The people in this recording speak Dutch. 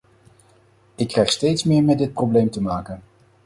Ik krijg steeds meer met dit probleem te maken.